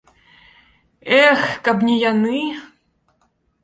Эх, каб не яны!